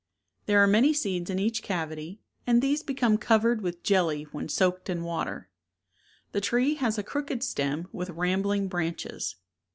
There are many seeds in each cavity 34 and these become covered with jelly when soaked in water. The tree has a crooked stem with ram bling branches.